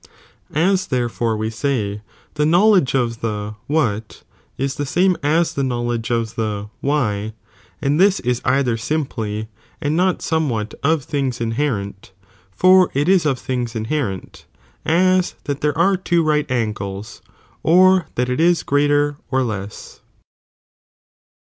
" Aa therefore we say, the knowledge of the what is the same as the knowledge of the wkj/, and this is either simplj, and not MNnewhat of things inherent, for it is of things inherent, as that there ore two right angles or that it is greater or less.